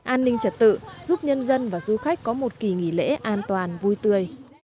an ninh trật tự giúp nhân dân và du khách có một kỳ nghỉ lễ an toàn vui tươi